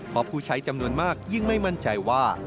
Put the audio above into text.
เพราะผู้ใช้จำนวนมากยิ่งไม่มั่นใจว่า